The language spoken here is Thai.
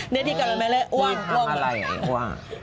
นี่พี่กระแบบอะไรละอ้ว่างว่าง